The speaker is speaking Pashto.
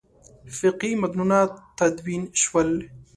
فقهي متنونه تدوین شول.